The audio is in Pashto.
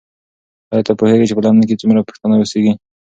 ایا ته پوهېږې چې په لندن کې څومره پښتانه اوسیږي؟